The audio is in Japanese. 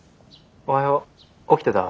おはよう。